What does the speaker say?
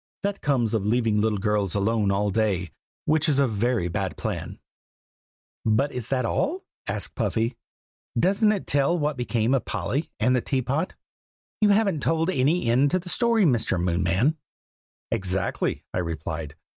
that comes of leaving little girls alone all day, which is a very bad plan." "But is that all?" asked Puffy. "Doesn't it tell what became of Polly, and the teapot? You haven't told any end to the story, Mr. Moonman." "Exactly!" I replied.